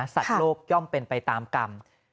สัตว์โลกย่อมเป็นไปตามกรรม